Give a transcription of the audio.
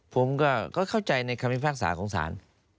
ผมก็เข้าใจในคำพิพากษาของศาล